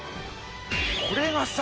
これがさ